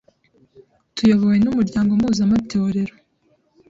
tuyobowe n’umuryango mpuzamatorero